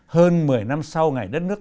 hơn một mươi năm sau ngày đất nước